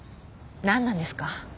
なんなんですか？